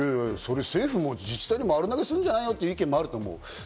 政府も自治体に丸投げするんじゃないの？という意見もあると思う。